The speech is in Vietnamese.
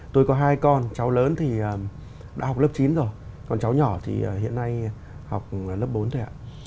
tôi có hai con cháu lớn thì đã học lớp chín rồi còn cháu nhỏ thì hiện nay học lớp bốn thế ạ